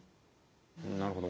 なるほど。